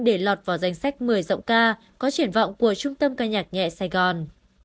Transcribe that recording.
để lọt vào danh sách một mươi giọng ca có triển vọng của trung tâm ca nhạc nhẹ sài gòn